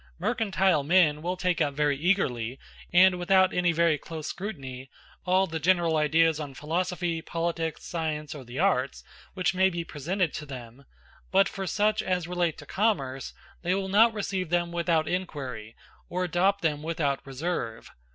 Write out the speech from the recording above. Mercantile men will take up very eagerly, and without any very close scrutiny, all the general ideas on philosophy, politics, science, or the arts, which may be presented to them; but for such as relate to commerce, they will not receive them without inquiry, or adopt them without reserve.